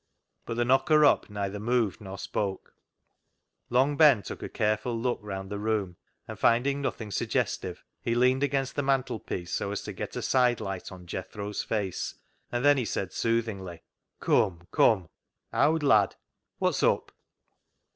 But the knocker up neither moved nor spoke. Long Ben took a careful look round the room, and finding nothing suggestive, he leaned against the mantelpiece so as to get a side light on Jethro's face, and then he said soothingly —" Come ! come ! owd lad, wot's up